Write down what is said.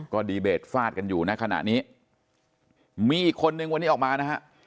ก็ดีเบตฟาดกันอยู่ในขณะนี้มีอีกคนนึงวันนี้ออกมานะฮะ